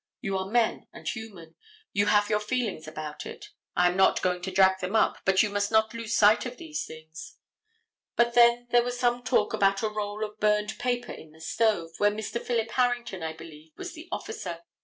You are men and human. You have your feelings about it. I am not going to drag them up, but you must not lose sight of these things. Then there was some talk about a roll of burned paper in the stove, where Mr. Philip Harrington, I believe, was the officer.